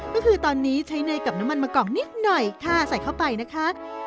ก็คือตอนนี้ใช้เนยกับน้ำมันมะกองนิดหน่อยค่ะใส่เข้าไปนะคะ